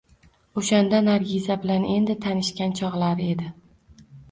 O`shanda Nargiza bilan endi tanishgan chog`lari edi